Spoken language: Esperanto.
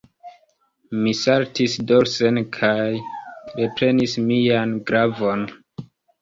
Mi saltis dorsen kaj reprenis mian glavon.